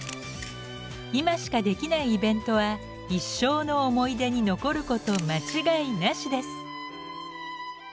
今しかできないイベントは一生の思い出に残ること間違いなしです！